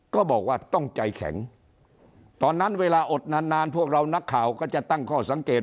ก็บอกว่าต้องใจแข็งตอนนั้นเวลาอดนานนานพวกเรานักข่าวก็จะตั้งข้อสังเกต